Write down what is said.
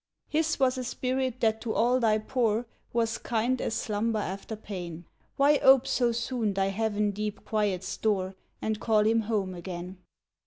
His was a spirit that to all thy poor Was kind as slumber after pain: Why ope so soon thy heaven deep Quiet's door And call him home again?